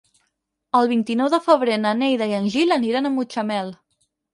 El vint-i-nou de febrer na Neida i en Gil aniran a Mutxamel.